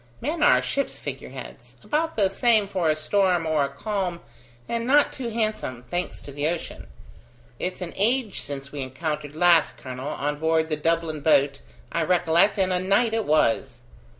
Men are ships' figure heads, about the same for a storm or a calm, and not too handsome, thanks to the ocean. It's an age since we encountered last, colonel: on board the Dublin boat, I recollect, and a night it was."